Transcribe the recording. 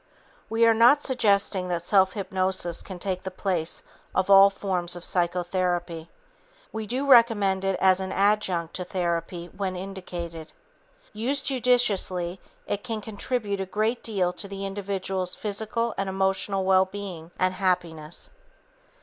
We are not suggesting that self hypnosis can take the place of all forms of psychotherapy. We do recommend it as an adjunct to therapy when indicated. Used judiciously, it can contribute a great deal to the individual's physical and emotional well being and happiness.